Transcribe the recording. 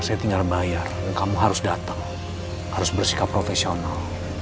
saya tinggal bayar dan kamu harus datang harus bersikap profesional